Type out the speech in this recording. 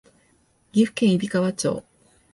岐阜県揖斐川町